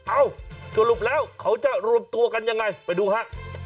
เอ้าสรุปแล้วเขาจะรวมตัวกันยังไงไปดูฮะ